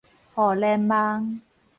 互聯網